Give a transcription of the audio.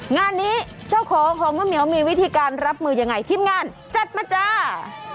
งานนี้เจ้าของของข้าวเหนียวมีวิธีการรับมือยังไงทีมงานจัดมาจ้า